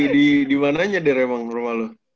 lo dimananya daryl emang rumah lo